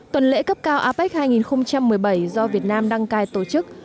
tuần lễ cấp cao apec hai nghìn một mươi bảy do việt nam đăng cai tổ chức